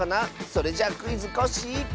それじゃ「クイズ！コッシー」。